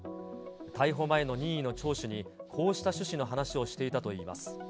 逮捕前の任意の聴取に、こうした趣旨の話をしていたといいます。